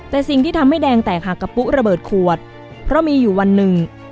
แต่สิ่งที่ทำให้แดงแตกหักกับปุ๊ระเบิดขวดเพราะมีอยู่วันหนึ่ง